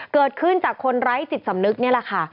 เกิดขึ้นจากคนไร้จิตสำนึกนี่แหละค่ะ